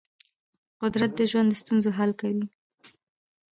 قدرت د ژوند د ستونزو حل کوي.